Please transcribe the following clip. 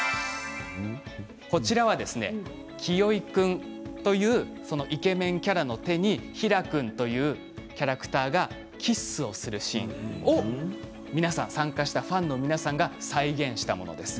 こちらは清居君というイケメンキャラの手に平良君というキャラクターがキスをするシーンを参加したファンの皆さんが再現したものです。